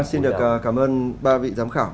xin được cảm ơn ba vị giám khảo